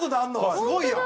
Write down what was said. すごいやん。